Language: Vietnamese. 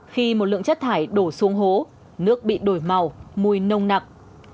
khi một lượng chất thải đổ xuống hố nước bị đổi màu mùi nông nặng